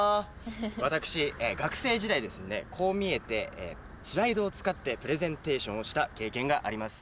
私学生時代にですねこう見えてスライドを使ってプレゼンテーションをした経験があります。